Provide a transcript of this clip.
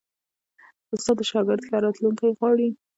استاد د شاګرد ښه راتلونکی غواړي.